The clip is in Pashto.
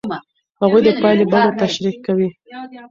هغوی د پایلې بڼه تشریح کوي.